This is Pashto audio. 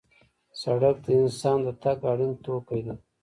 سړک د انسان د تګ اړین توکی دی.